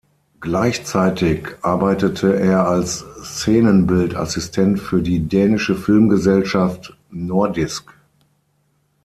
Gleichzeitig arbeitete er als Szenenbild-Assistent für die dänische Filmgesellschaft "Nordisk".